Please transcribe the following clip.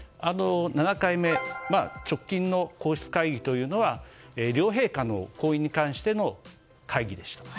７回目直近の皇室会議というのは両陛下の婚姻に関しての会議でした。